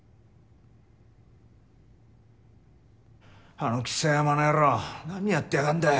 あの象山の野郎何やってやがんだよ。